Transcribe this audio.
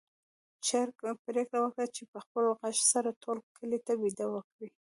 چرګ پرېکړه وکړه چې په خپل غږ سره ټول کلي ته بېده وکړي.